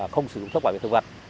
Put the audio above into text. không sử dụng thuốc quả về thực vật